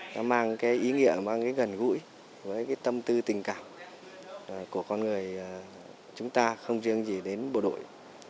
nó mang cái ý nghĩa mang cái gần gũi với cái tâm tư tình cảm của con người chúng ta không riêng gì đến bộ đội